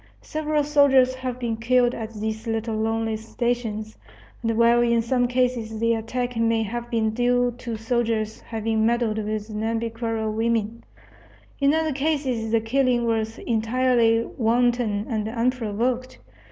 Several soldiers have been killed at these little lonely stations; and while in some cases the attack may have been due to the soldiers having meddled with Nhambiquara women, in other cases the killing was entirely wanton and unprovoked.